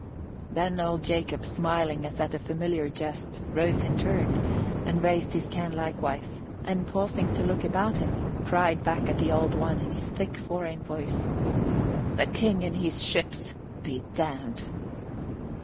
Then old Jacob, smiling as at a familiar jest, rose in turn and raised his can likewise, and pausing to look about him, cried back at the Old One in his thick foreign voice, "The King and his ships be damned!"